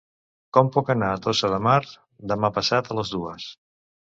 Com puc anar a Tossa de Mar demà passat a les dues?